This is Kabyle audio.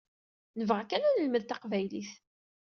Nebɣa kan ad nelmed taqbaylit.